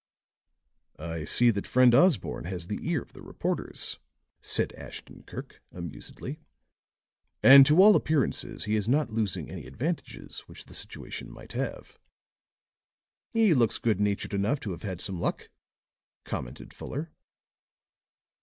"I see that friend Osborne has the ear of the reporters," said Ashton Kirk amusedly; "and to all appearances he is not losing any advantages which the situation might have." "He looks good natured enough to have had some luck," commented Fuller.